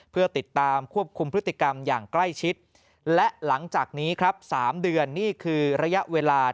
เพื่อติดตามควบคุมพฤติกรรมอย่างใกล้ชิดและหลังจากนี้ครับ๓เดือนนี่คือระยะเวลา